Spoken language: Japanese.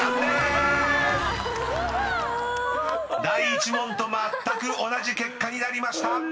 ［第１問とまったく同じ結果になりました］